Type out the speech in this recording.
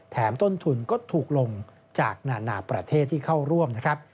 ต้นทุนก็ถูกลงจากนานาประเทศที่เข้าร่วมนะครับ